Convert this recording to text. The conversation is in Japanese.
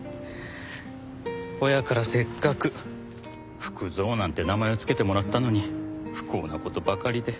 親からせっかく福造なんて名前を付けてもらったのに不幸なことばかりで。